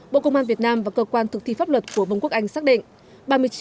bộ công an việt nam và cơ quan thực thi pháp luật của vương quốc anh xác định